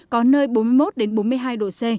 có nơi bốn mươi một bốn mươi hai độ c